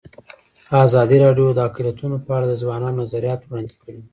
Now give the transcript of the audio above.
ازادي راډیو د اقلیتونه په اړه د ځوانانو نظریات وړاندې کړي.